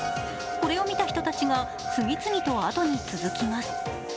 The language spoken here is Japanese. これを見た人たちが次々とあとに続きます。